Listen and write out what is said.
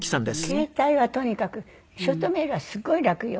携帯はとにかくショートメールはすごい楽よ？